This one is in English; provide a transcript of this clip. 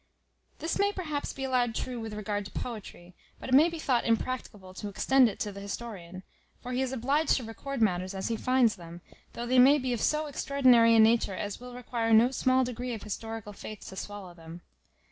This may perhaps be allowed true with regard to poetry, but it may be thought impracticable to extend it to the historian; for he is obliged to record matters as he finds them, though they may be of so extraordinary a nature as will require no small degree of historical faith to swallow them.